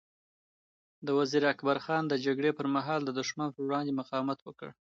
وزیر اکبر خان د جګړې پر مهال د دښمن پر وړاندې مقاومت وکړ.